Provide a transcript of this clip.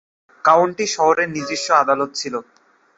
County শহরের নিজস্ব আদালত ছিল।